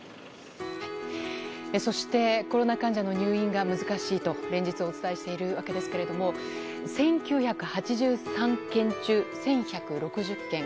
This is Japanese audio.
そしてコロナ患者の入院が難しいと連日お伝えしているわけですけれども１９８３件中１１６０件。